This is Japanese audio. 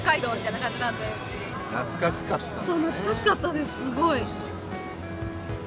懐かしかったんだね。